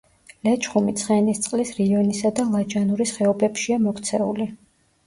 ლეჩხუმი ცხენისწყლის, რიონისა და ლაჯანურის ხეობებშია მოქცეული.